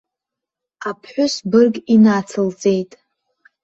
Аԥҳәыс бырг инацылҵеит.